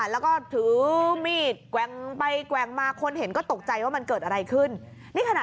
แล้วก็ถือมีดแกว่งไปแกว่งมาคนเห็นก็ตกใจว่ามันเกิดอะไรขึ้น